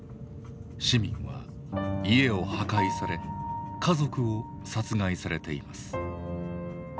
市民は家を破壊され家族を殺害されています。